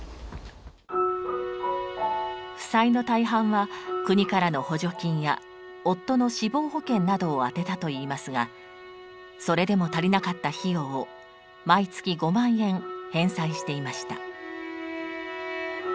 負債の大半は国からの補助金や夫の死亡保険などを充てたといいますがそれでも足りなかった費用を毎月５万円返済していました。